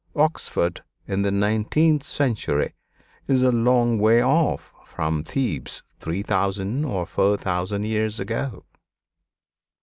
Oxford in the nineteenth century is a long way off from Thebes three thousand or four thousand years ago.